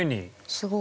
すごい。